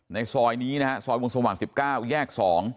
ในซอยนี้นะฮะซอยวงสมหวัง๑๙แยก๒